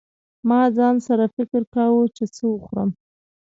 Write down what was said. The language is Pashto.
ما ځان سره فکر کاوه چې څه وخورم.